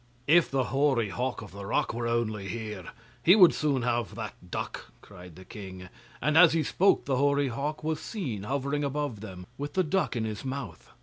'If the hoary hawk of the rock were only here, he would soon have that duck,' cried the king; and as he spoke the hoary hawk was seen hovering above them, with the duck in his mouth.